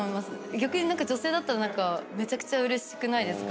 逆に女性だったらなんかめちゃくちゃうれしくないですか